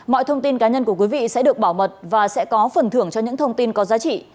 mọi thông tin cá nhân của quý vị sẽ được bảo mật và sẽ có phần thưởng cho những thông tin có giá trị